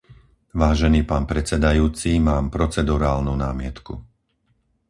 Vážený pán predsedajúci, mám procedurálnu námietku.